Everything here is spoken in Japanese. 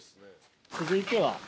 続いては。